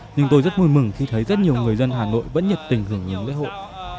nhưng tôi rất vui mừng khi thấy rất nhiều người dân hà nội vẫn nhiệt tình hưởng nhiều lễ hội